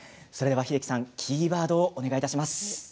英樹さんキーワードをお願いします。